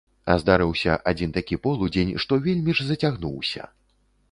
А здарыўся адзін такі полудзень, што вельмі ж зацягнуўся.